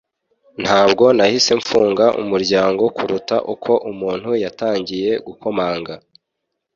ntabwo nahise mfunga umuryango kuruta uko umuntu yatangiye gukomanga